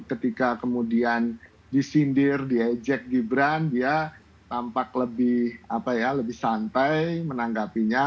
ketika kemudian disindir diejek gibran dia tampak lebih santai menanggapinya